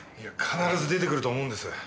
必ず出てくると思うんです。